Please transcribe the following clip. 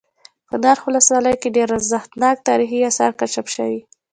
په نرخ ولسوالۍ كې ډېر ارزښتناك تاريخ آثار كشف شوي